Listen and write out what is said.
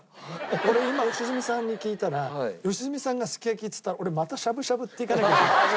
俺今良純さんに聞いたら良純さんがすき焼きっつったら俺またしゃぶしゃぶっていかなきゃいけない。